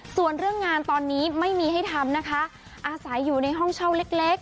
ส่วนเรื่องงานตอนนี้ไม่มีให้ทำนะคะอาศัยอยู่ในห้องเช่าเล็ก